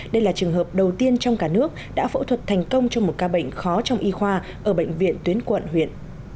đây là trường hợp đầu tiên trong cả nước đã phẫu thuật thành công cho một ca bệnh khó trong y khoa ở bệnh viện tuyến quận huyện